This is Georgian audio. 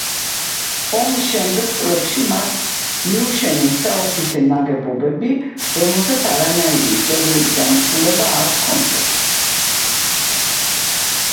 ომის შემდეგ წლებში მას მიუშენეს საოფისე ნაგებობები, რომელსაც არანაირი ისტორიული დანიშნულება არ ჰქონდათ.